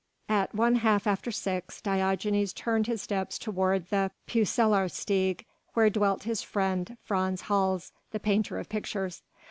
At one half after six Diogenes turned his steps toward the Peuselaarsteeg where dwelt his friend Frans Hals, the painter of pictures.